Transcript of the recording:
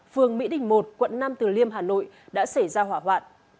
phường mỹ đình một quận năm từ liêm hà nội đã xảy ra hỏa hoạn